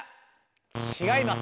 違います。